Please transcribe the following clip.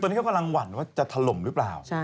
ตอนนี้เขากำลังหวั่นว่าจะถล่มหรือเปล่า